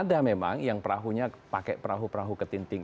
ada memang yang perahunya pakai perahu perahu ketinting